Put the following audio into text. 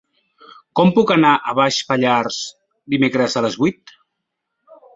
Com puc anar a Baix Pallars dimecres a les vuit?